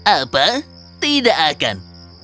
apa tidak akan